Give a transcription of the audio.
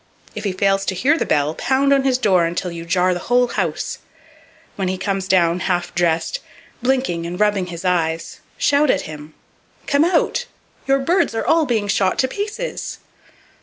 If he fails to hear the bell, pound on his door until you jar the whole house. [Page 259] When he comes down half dressed, blinking and rubbing his eyes, shout at him: "Come out! Your birds are all being shot to pieces!"